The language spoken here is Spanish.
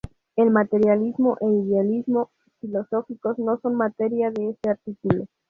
El materialismo e idealismo filosóficos no son materia de este artículo.